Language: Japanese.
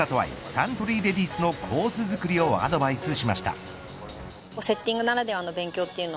サントリーレディスのコース作りをアドバイスしました。